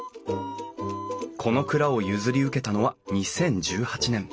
この蔵を譲り受けたのは２０１８年。